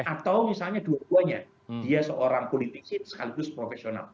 atau misalnya dua duanya dia seorang politisi sekaligus profesional